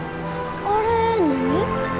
あれ何？